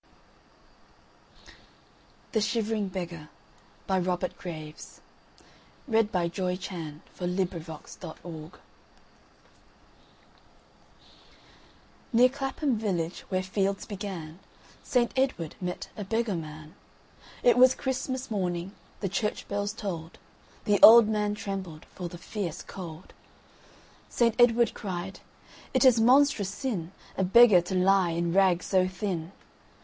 The Shivering Beggar NEAR Clapham village, where fields began, Saint Edward met a beggar man.It was Christmas morning, the church bells tolled, The old man trembled for the fierce cold. Saint Edward cried, "It is monstrous sinA beggar to lie in rags so thin!